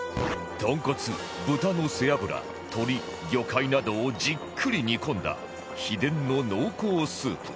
豚骨豚の背脂鶏魚介などをじっくり煮込んだ秘伝の濃厚スープ